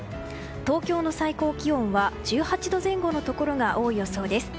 東京の最高気温は１８度前後のところが多い予想です。